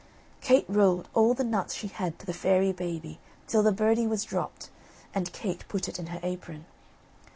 Kate rolled all the nuts she had to the fairy baby till the birdie was dropped, and Kate put it in her apron.